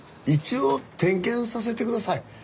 一応点検させてください。